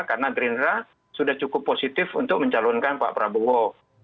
karena gerindra sudah cukup positif untuk mencalonkan pak prabowo